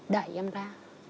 đẩy em ra